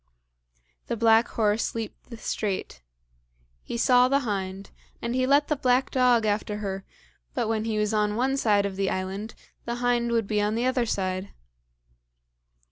The black horse leaped the strait. He saw the hind, and he let the black dog after her, but when he was on one side of the island, the hind would be on the other side.